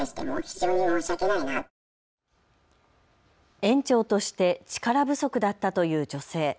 園長として力不足だったという女性。